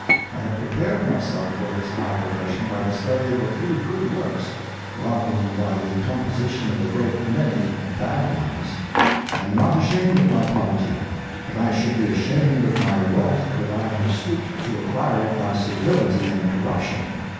I have prepared my self for this high profession by the study of a few good works, rather than by the composition of a great many bad ones. I am not ashamed of my poverty; but I should be ashamed of my wealth, could I have stooped Struggles ivith Poverty, 317 to acquire it by servility and corruption.